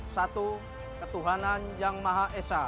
satu ketuhanan yang maha esa